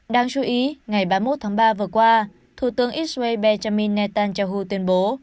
đáng chú ý ngày ba mươi một tháng ba vừa qua thủ tướng israel benjamin netanyahu tuyên bố